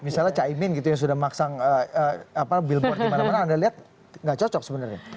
misalnya caimin gitu yang sudah memaksang billboard di mana mana anda lihat nggak cocok sebenarnya